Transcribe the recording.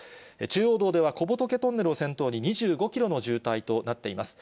中央道では、小仏トンネルを先頭に２５キロの渋滞となっています。